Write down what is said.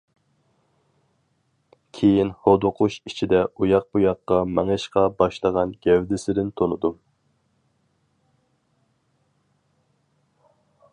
كېيىن ھودۇقۇش ئىچىدە ئۇياق-بۇياققا مېڭىشقا باشلىغان گەۋدىسىدىن تونۇدۇم.